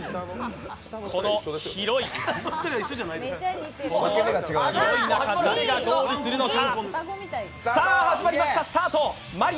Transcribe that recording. この広い中、誰がゴールするのか。